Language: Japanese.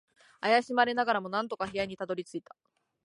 怪しまれながらも、なんとか部屋にたどり着いた。